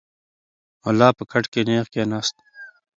ملا په کټ کې نېغ کښېناست.